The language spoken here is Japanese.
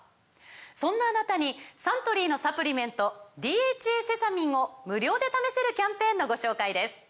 そんなあなたにサントリーのサプリメント「ＤＨＡセサミン」を無料で試せるキャンペーンのご紹介です